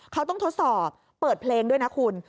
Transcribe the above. เขาต้องทดสอบเปิดเพลงด้วยนะคุณ